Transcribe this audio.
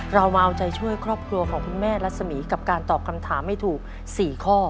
เรามาเอาใจช่วยครอบครัวของคุณแม่รัศมีร์กับการตอบคำถามให้ถูก๔ข้อ